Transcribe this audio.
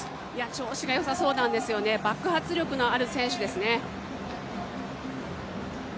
調子がよさそうなんですよね、爆発力のある選手ですね。